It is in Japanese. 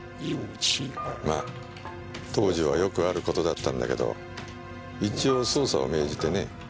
まあ当時はよくある事だったんだけど一応捜査を命じてね。